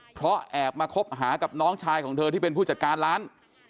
เพราะแอบมาคบหากับน้องชายของเธอที่เป็นผู้จัดการร้าน